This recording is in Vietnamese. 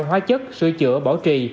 hóa chất sửa chữa bảo trì